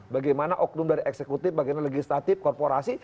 bagaimana oknum dari eksekutif bagaimana legislatif korporasi